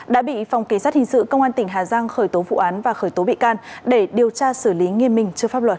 đã bị phòng kỳ sát hình sự công an tỉnh hà giang khởi tố vụ án và khởi tố bị can để điều tra xử lý nghiêm minh trước pháp luật